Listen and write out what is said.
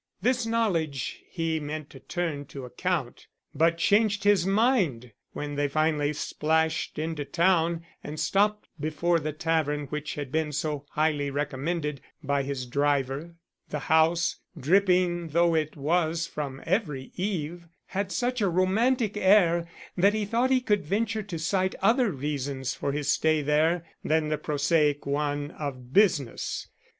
This knowledge he meant to turn to account, but changed his mind when they finally splashed into town and stopped before the tavern which had been so highly recommended by his driver. The house, dripping though it was from every eave, had such a romantic air that he thought he could venture to cite other reasons for his stay there than the prosaic one of business.